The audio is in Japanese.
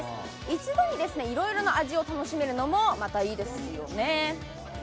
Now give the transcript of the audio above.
一度にいろいろの味を楽しめるのも、またいいですよね。